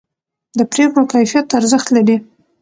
د پرېکړو کیفیت ارزښت لري